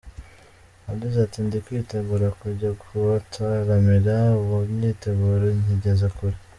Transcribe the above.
Yagize ati “Ndi kwitegura kujya kubataramira, ubu imyiteguro nyigeze kure.